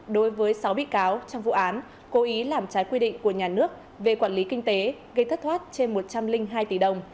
đối với sáu bị cáo trong vụ án cố ý làm trái quy định của nhà nước về quản lý kinh tế gây thất thoát trên một trăm linh hai tỷ đồng